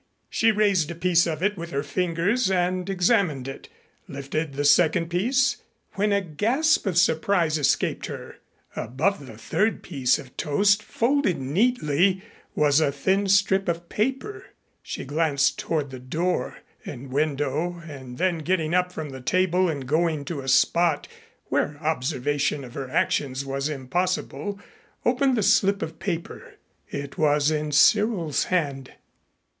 She raised a piece of it with her fingers and examined it, lifted the second piece, when a gasp of surprise escaped her. Above the third piece of toast, folded neatly, was a thin strip of paper. She glanced toward the door and window and then getting up from the table and going to a spot where observation of her actions was impossible, opened the slip of paper. It was in Cyril's hand.